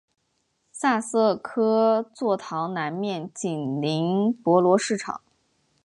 萨瑟克座堂南面紧邻博罗市场。